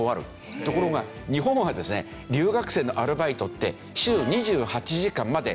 ところが日本はですね留学生のアルバイトって週２８時間まで可能なんですよね。